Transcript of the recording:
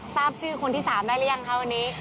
ทราบชื่อคนที่๓ได้หรือยังคะวันนี้